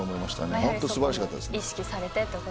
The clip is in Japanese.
本当、素晴らしかったです。